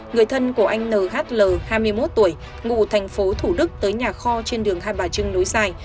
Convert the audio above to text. người thân của anh nhl hai mươi một tuổi ngụ thành phố thủ đức tới nhà kho trên đường hai bà trưng núi dài